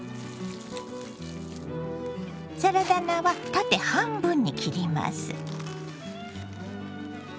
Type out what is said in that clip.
サラダ菜は縦半分に切ります。